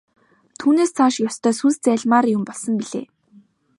Түүнээс цааш ёстой сүнс зайлмаар юм болсон билээ.